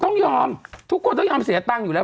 ต้องยอมทุกคนต้องยอมเสียตังค์อยู่แล้ว